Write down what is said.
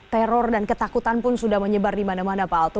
teror dan ketakutan pun sudah menyebar di mana mana pak altu